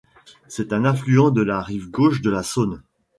C'est un affluent de la rive gauche de la Saône,